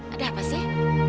ada apa sih